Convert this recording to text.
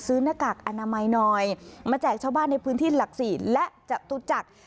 หน้ากากอนามัยหน่อยมาแจกชาวบ้านในพื้นที่หลักศรีและจตุจักร